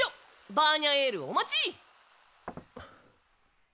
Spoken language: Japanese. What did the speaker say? バーニャエールお待ち！